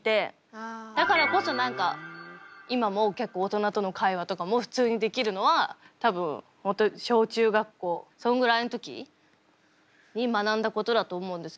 だからこそ今も結構大人との会話とかも普通にできるのは多分小中学校そんぐらいん時に学んだことだと思うんですけど。